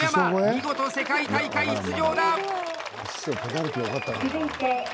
見事、世界大会出場だ！